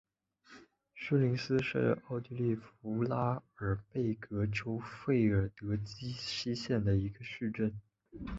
施林斯是奥地利福拉尔贝格州费尔德基希县的一个市镇。